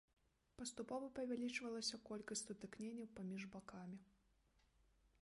Паступова павялічвалася колькасць сутыкненняў паміж бакамі.